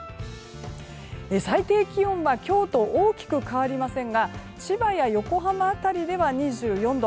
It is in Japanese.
最低気温は今日と大きく変わりませんが千葉や横浜辺りでは２４度。